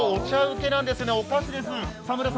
お茶うけなんですね、お菓子です。